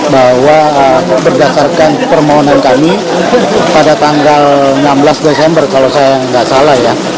bahwa berdasarkan permohonan kami pada tanggal enam belas desember kalau saya nggak salah ya